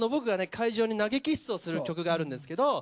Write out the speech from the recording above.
会場に投げキッスをする曲があるんですけど